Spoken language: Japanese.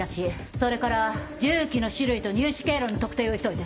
それから銃器の種類と入手経路の特定を急いで。